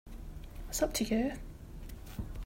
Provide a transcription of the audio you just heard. It's up to you.